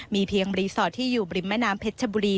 มีเพียงรีสอร์ทที่อยู่บริมแม่น้ำเพชรชบุรี